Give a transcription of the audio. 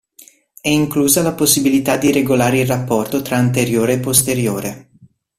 È inclusa la possibilità di regolare il rapporto tra anteriore e posteriore.